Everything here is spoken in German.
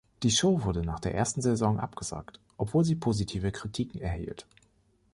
Die Show wurde nach der ersten Saison abgesagt, obwohl sie positive Kritiken erhielt.